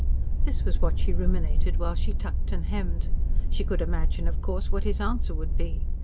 This was what she ruminated while she tucked and hemmed. She could imagine, of course, what his answer would be.